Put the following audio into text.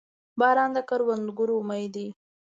• باران د کروندګرو امید دی.